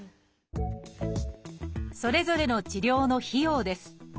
それぞれの治療の費用です。